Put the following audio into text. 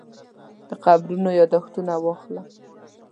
د قبرونو یاداښتونه واخلم.